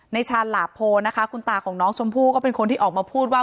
ชาญหลาโพนะคะคุณตาของน้องชมพู่ก็เป็นคนที่ออกมาพูดว่า